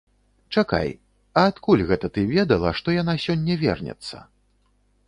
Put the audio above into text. Чакай, а адкуль гэта ты ведала, што яна сёння вернецца?